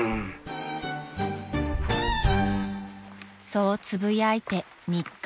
［そうつぶやいて３日］